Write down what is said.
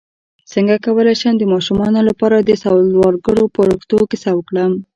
څنګه کولی شم د ماشومانو لپاره د سوالګرو فرښتو کیسه وکړم